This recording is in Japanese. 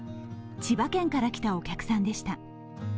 千葉県から来たお客さんでした。